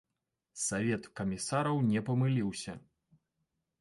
Савет камісараў не памыліўся.